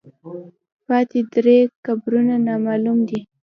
پاتې درې قبرونه نامعلوم دي.